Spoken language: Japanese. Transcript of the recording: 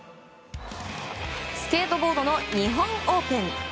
スケートボードの日本オープン。